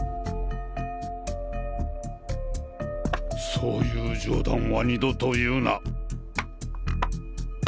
そういう冗談は二度と言うな。